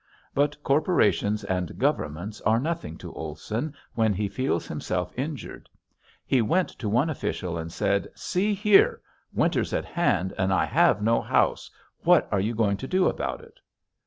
But corporations and governments are nothing to Olson when he feels himself injured. He went to one official and said, "See here! Winter's at hand and I have no house, what are you going to do about it?"